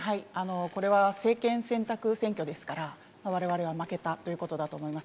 これは政権選択選挙ですから、われわれは負けたということだと思います。